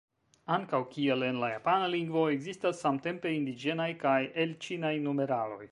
Ankaŭ kiel en la japana lingvo, ekzistas samtempe indiĝenaj kaj elĉinaj numeraloj.